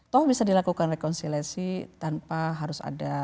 toh bisa dilakukan rekonsiliasi tanpa harus ada